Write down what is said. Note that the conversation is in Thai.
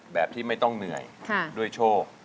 แบบที่ไม่ต้องเหนื่อยด้วยโชค